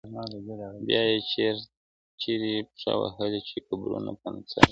بیا يې چيري پښه وهلې چي قبرونه په نڅا دي.